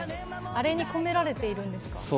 あれに込められているんですか。